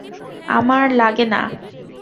আমার লাগে না।